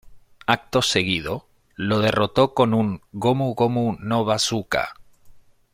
Acto seguido, lo derrotó con un "Gomu Gomu no Bazooka".